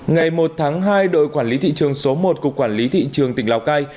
ngày một tháng hai đội quản lý thị trường số một của quản lý thị trường tỉnh lào cai